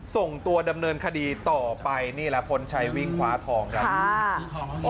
ส่งตัวดำเนินคดีต่อไปนี่แหละพลชัยวิ่งคว้าทองครับ